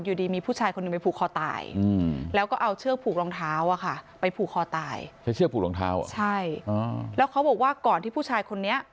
อยู่ดีมีผู้ชายคนหนึ่งไปผูกคอตายแล้วก็เอาเชื้อผูกรองเท้าไปผูกคอตาย